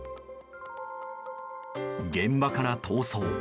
現場から逃走。